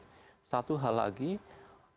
satu suatu suatu suatu suatu suatu